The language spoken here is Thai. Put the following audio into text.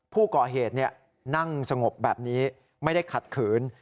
ผู้ก่อเหตุนั่งสงบแบบนี้ไม่ได้ขัดขืน